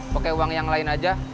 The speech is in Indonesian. pakai uang yang lain aja